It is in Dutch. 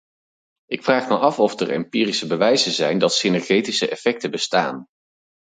Ik vraag me af of er empirische bewijzen zijn dat synergetische effecten bestaan.